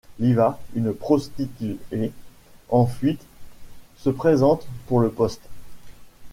Liva, une prostituée en fuite, se présente pour le poste.